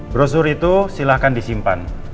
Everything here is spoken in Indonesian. brosur itu silahkan disimpan